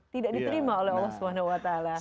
tidak diterima oleh allah swt